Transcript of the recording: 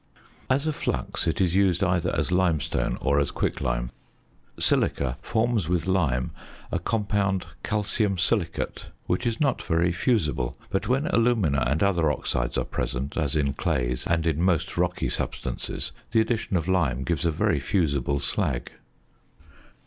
As a flux it is used either as limestone or as quicklime. Silica forms with lime a compound, calcium silicate, which is not very fusible; but when alumina and other oxides are present, as in clays and in most rocky substances, the addition of lime gives a very fusible slag.